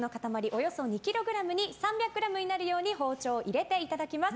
およそ２ｋｇに３００ｇになるように包丁を入れていただきます。